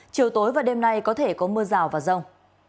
chiều tối và đêm nay có thể có mưa rào và rông